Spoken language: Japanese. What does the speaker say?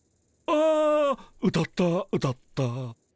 ああ歌った歌った。